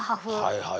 はいはい。